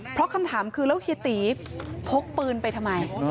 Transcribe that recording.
เพราะคำถามคือแล้วเฮียตีพกปืนไปทำไม